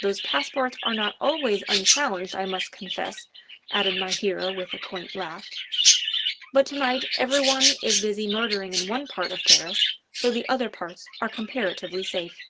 Those passports are not always unchallenged, I must confess," added my hero with a quaint laugh; "but to night everyone is busy murdering in one part of Paris, so the other parts are comparatively safe."